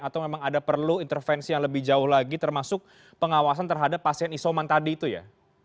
atau memang ada perlu intervensi yang lebih jauh lagi termasuk pengawasan terhadap pasien isoman tadi itu ya